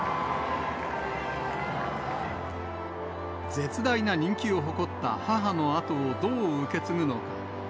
絶大な人気を誇った母の後をどう受け継ぐのか。